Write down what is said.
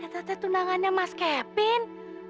teteh tunangannya mas kevin